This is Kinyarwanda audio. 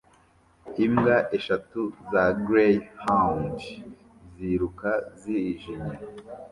Imbwa eshatu za greyhound ziruka zijimye